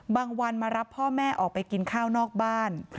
วันมารับพ่อแม่ออกไปกินข้าวนอกบ้าน